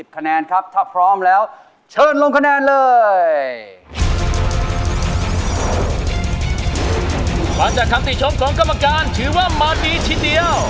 จากคำติชมของกรรมการถือว่ามาดีทีเดียว